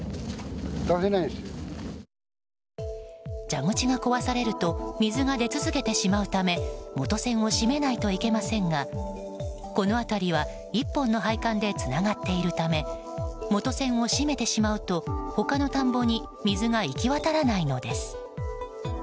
蛇口が壊されると水が出続けてしまうため元栓を閉めないといけませんがこの辺りは１本の配管でつながっているため元栓を閉めてしまうと他の田んぼに水が行き渡らないのです。